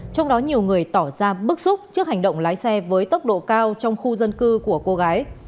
trong đó nhiều người tỏ ra bức xúc trước hành động lái xe với tốc độ cao trong khu dân cư của cô gái